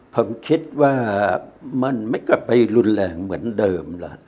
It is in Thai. ผมคิดว่ามันไม่กลับไปรุนแรงเหมือนเดิมล่ะ